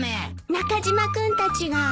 中島君たちが。